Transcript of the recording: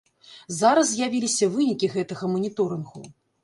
Зараз з'явіліся вынікі гэтага маніторынгу.